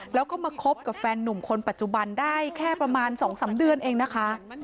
แล้วก็มาคบกับแฟนหนุ่มคนปัจจุบันได้แค่ประมาณ๒๓เดือนเองนะคะ